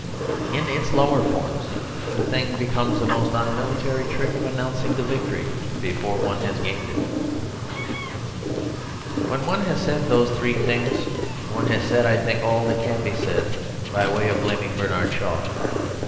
In its lower forms the thing becomes a most unmilitary trick of announcing the victory before one has gained it. When one has said those three things, one has said, I think, all that can be said by way of blaming Bernard Shaw.